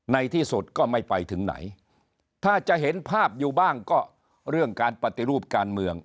ในที่สุดก็ไม่ไปถึงไหนถ้าจะเห็นภาพอยู่บ้างก็เรื่องการปฏิรูปการเมือง